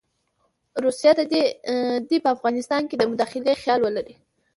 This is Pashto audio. روسیه دې په افغانستان کې د مداخلې خیال ولري.